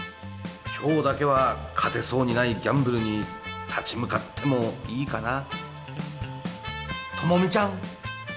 今日だけは勝てそうにないギャンブルに立ち向かってもいいかな？